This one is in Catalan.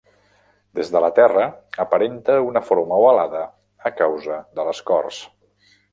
Des de la Terra aparenta una forma ovalada a causa de l'escorç.